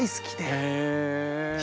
へえ。